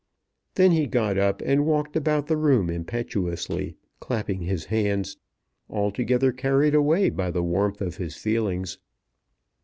Then he got up and walked about the room impetuously, clapping his hands, altogether carried away by the warmth of his feelings.